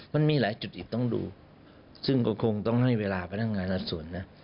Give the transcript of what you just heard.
มันมีหลายจุดอีกต้องดูซึ่งก็คงต้องให้เวลาไปนั่งงานอาจสุด